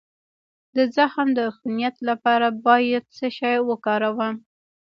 د زخم د عفونت لپاره باید څه شی وکاروم؟